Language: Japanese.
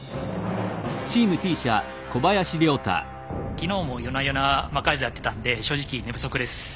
昨日も夜な夜な魔改造やってたんで正直寝不足です。